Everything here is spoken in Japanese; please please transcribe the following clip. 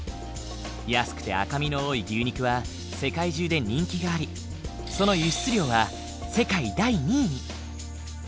安くて赤身の多い牛肉は世界中で人気がありその輸出量は世界第２位に。